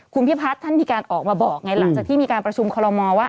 คุณพิพัฒน์ท่านมีการออกมาบอกไงหลังจากที่มีการประชุมคอลโมว่า